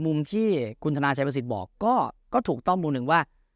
มุมที่คุณธนาชัยประสิทธิ์บอกก็ถูกต้องมุมหนึ่งว่า